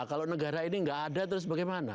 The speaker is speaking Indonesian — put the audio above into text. kalau negara ini nggak ada terus bagaimana